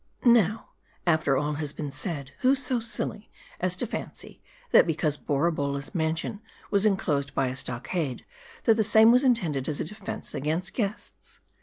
Now, after what has been said, who so silly as to fancy, that because Borabolla's mansion was inclosed by a stock 330 MARDI. ade, that the same was intended as a defense against guests